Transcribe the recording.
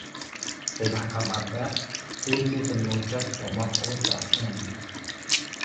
កីឡាបាល់ទាត់ គឺជាចំណូលចិត្តរបស់ប្អូនប្រុសខ្ញុំ ។